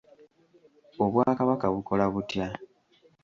Obwakabaka bukola butya?